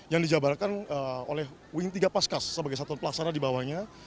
yang dijabarkan oleh wing tiga paskas sebagai satuan pelaksana di bawahnya